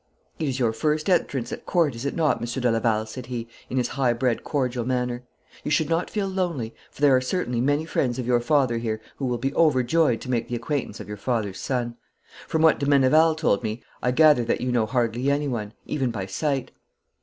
'It is your first entrance at Court, is it not, Monsieur de Laval,' said he, in his high bred cordial manner; 'you should not feel lonely, for there are certainly many friends of your father here who will be overjoyed to make the acquaintance of your father's son. From what de Meneval told me I gather that you know hardly anyone even by sight.'